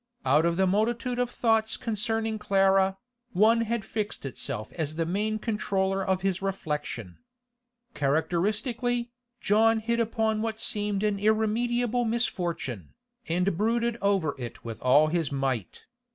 Out of the multitude of thoughts concerning Clara, one had fixed itself as the main controller of his reflection. Characteristically, John hit upon what seemed an irremediable misfortune, and brooded over it with all his might.